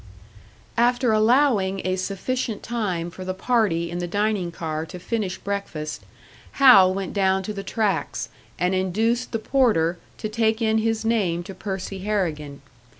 After allowing a sufficient time for the party in the dining car to finish breakfast, Hal went down to the tracks, and induced the porter to take in his name to Percy Harrigan.